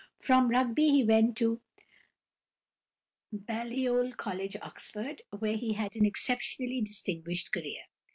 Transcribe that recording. From Rugby he went to Balliol College, Oxford, where he had an exceptionally distinguished career.